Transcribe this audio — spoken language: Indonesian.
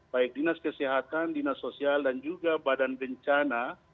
baik dinas kesehatan dinas sosial dan juga badan bencana